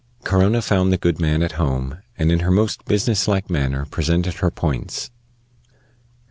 Corona found the good man at home, and in her most business like manner presented her points.